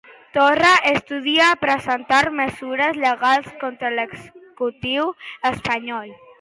Torra estudia presentar mesures legals contra l'executiu espanyol.